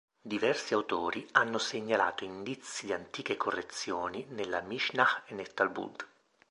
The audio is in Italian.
Diversi autori hanno segnalato indizi di antiche correzioni nella Mishnah e nel Talmud.